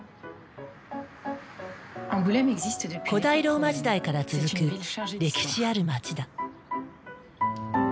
古代ローマ時代から続く歴史ある街だ。